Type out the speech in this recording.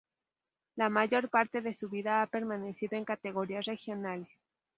La mayor parte de su vida ha permanecido en categorías regionales.